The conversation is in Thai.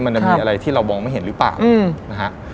มันจะมีอะไรที่เรามองไม่เห็นหรือเปล่านะฮะ